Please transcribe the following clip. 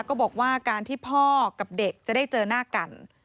ก็บอกว่าการที่พ่อกับเด็กจะได้เจอหน้ากัน